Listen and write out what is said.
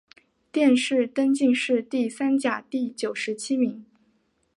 殿试登进士第三甲第九十七名。